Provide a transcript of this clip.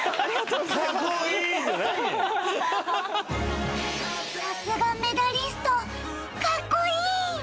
さすがメダリストカッコいい！